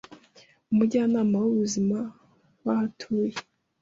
umujyanama w’ubuzima waho atuye